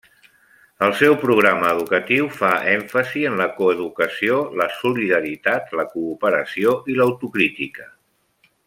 El seu programa educatiu fa èmfasi en la coeducació, la solidaritat, la cooperació i l'autocrítica.